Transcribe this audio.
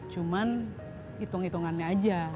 cuman hitung hitungannya aja